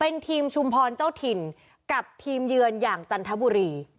เป็นทีมชุมพรเจ้าถิ่นกับทีมเยือนอย่างจันทบุรี